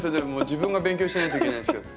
自分が勉強しないといけないんですから。